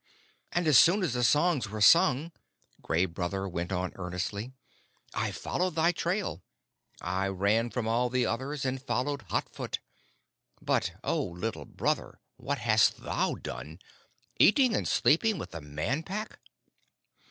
"And as soon as the songs were sung," Gray Brother went on earnestly, "I followed thy trail. I ran from all the others and followed hot foot. But, O Little Brother, what hast thou done, eating and sleeping with the Man Pack?"